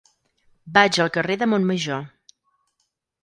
Vaig al carrer de Montmajor.